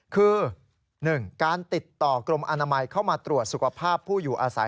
คือ๑การติดต่อกรมอนามัยเข้ามาตรวจสุขภาพผู้อยู่อาศัย